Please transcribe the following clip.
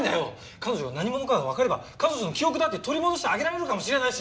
彼女が何者かがわかれば彼女の記憶だって取り戻してあげられるかもしれないし。